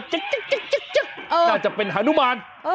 น่าจะเป็นฮานุมาน